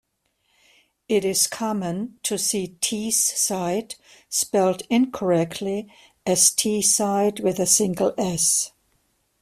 It is common to see Teesside spelled incorrectly as "Teeside", with a single 's'.